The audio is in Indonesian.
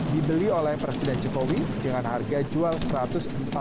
dibeli oleh presiden jokowi dengan harga jual rp satu ratus empat puluh